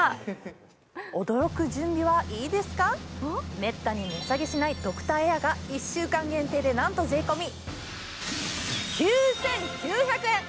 めったに値下げしないドクターエアが１週間限定でなんと全込み９９００円。